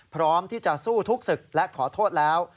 พร้อมที่จะสู้ทุกศึกและขอโทษแล้ว